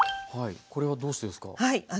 これはどうしてですか？